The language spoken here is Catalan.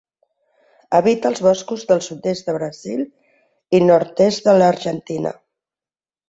Habita els boscos del sud-est de Brasil i nord-est de l'Argentina.